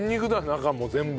中もう全部。